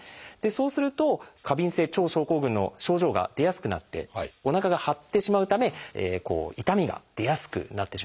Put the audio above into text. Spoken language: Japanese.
そうすると過敏性腸症候群の症状が出やすくなっておなかが張ってしまうため痛みが出やすくなってしまうんですね。